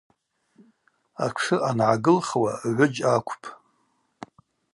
Атшы ангӏагылхуа гӏвыджь аквпӏ.